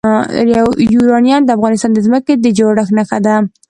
یورانیم د افغانستان د ځمکې د جوړښت نښه ده.